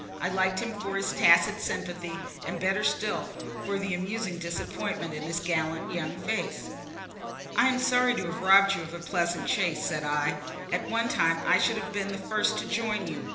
I liked him for his tacit sympathy, and better still for the amusing disappointment in his gallant, young face. "I am sorry to have robbed you of a pleasant chase," said I. "At one time I should have been the first to join you.